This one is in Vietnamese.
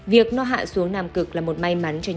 việc nó hạ xuống nam cực là một may mắn cho nhân dân